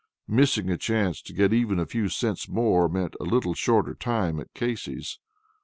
Missing a chance to get even a few cents more meant a little shorter time at Casey's.